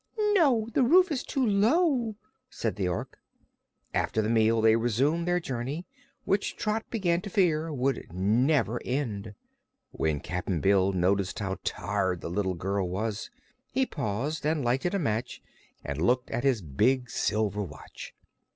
"No; the roof is too low," said the Ork. After the meal they resumed their journey, which Trot began to fear would never end. When Cap'n Bill noticed how tired the little girl was, he paused and lighted a match and looked at his big silver watch.